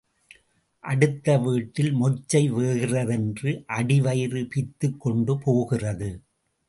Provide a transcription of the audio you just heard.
அடுத்த வீட்டில் மொச்சை வேகிறதென்று அடிவயிறு பிய்த்துக் கொண்டு போகிறது.